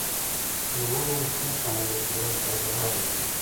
د ونو شنه پاڼې د قدرت تازه والی ښيي.